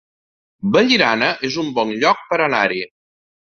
Vallirana es un bon lloc per anar-hi